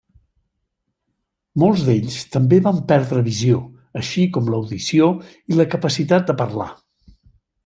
Molts d'ells també van perdre visió, així com l'audició i la capacitat de parlar.